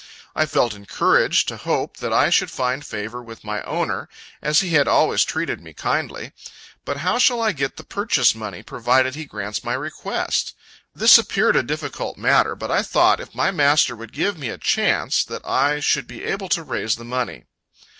I felt encouraged to hope that I should find favor with my owner, as he had always treated me kindly. But how shall I get the purchase money, provided he grants my request? This appeared a difficult matter, but I thought if my master would give me a chance, that I should be able to raise the money.